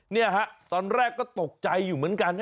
เนี่ยฮะตอนแรกก็ตกใจอยู่เหมือนกัน